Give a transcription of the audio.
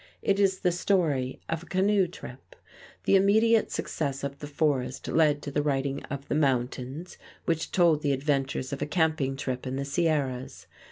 It is the story of a canoe trip. The immediate success of "The Forest" led to the writing of "The Mountains," which told the adventures of a camping trip in the Sierras.